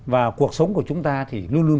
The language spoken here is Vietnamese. và cuộc sống của chúng ta thì luôn luôn